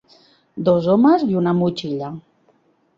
Dos homes i una motxilla.